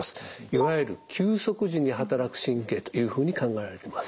いわゆる休息時に働く神経というふうに考えられてます。